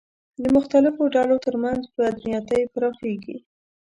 د مختلفو ډلو تر منځ بدنیتۍ پراخېږي